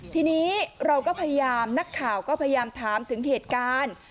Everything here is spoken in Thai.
ทีนี้เราก็พยายามนักข่าวก็พยายามถามถึงเหตุการณ์